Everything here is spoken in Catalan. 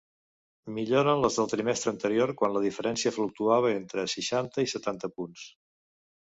Milloren les del trimestre anterior, quan la diferència fluctuava entre seixanta i setanta punts.